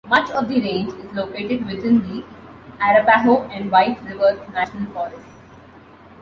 Much of the range is located within the Arapaho and White River National Forests.